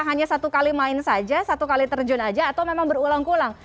hanya satu kali main saja satu kali terjun saja atau memang berulang ulang